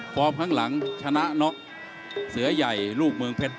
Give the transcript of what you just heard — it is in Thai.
ฟอร์มข้างหลังชนะเนาะเสือใหญ่ลูกเมืองเพชร